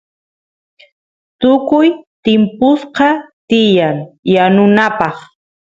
tukuy timpusqa tiyan yanunapaq